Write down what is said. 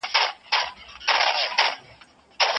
محرمیت د هر انسان شخصي حق دی.